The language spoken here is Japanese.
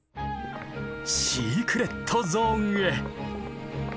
シークレットゾーンへ！